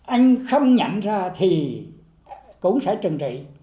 anh không nhận ra thì cũng sẽ trừng trị